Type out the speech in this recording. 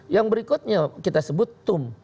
yang berikutnya kita sebut tum